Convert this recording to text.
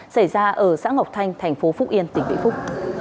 xảy ra ở xã ngọc thanh thành phố phúc yên tỉnh vĩnh phúc